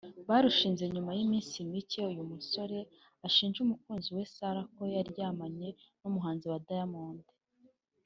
Barushinze nyuma y'iminsi mike uyu musore ashinjije umukunzi we Sarah ko yaryamanye n'umurinzi wa Diamond